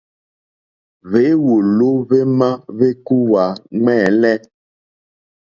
Hwěwòló hwémá hwékúwǃá ŋwɛ́ǃɛ́lɛ́.